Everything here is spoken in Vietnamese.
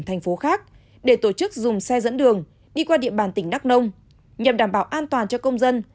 thành phố khác để tổ chức dùng xe dẫn đường đi qua địa bàn tỉnh đắk nông nhằm đảm bảo an toàn cho công dân